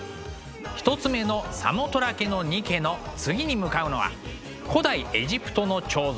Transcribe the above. １つ目の「サモトラケのニケ」の次に向かうのは古代エジプトの彫像